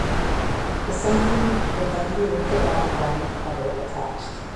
The assembly would then be lifted out and the bottom cover attached.